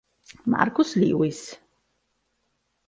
Marcus Lewis